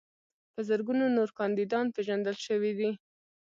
په زرګونو نور کاندیدان پیژندل شوي دي.